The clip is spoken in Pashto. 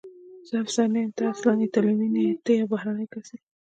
زه افسر نه یم، ته اصلاً ایټالوی نه یې، ته یو بهرنی کس یې.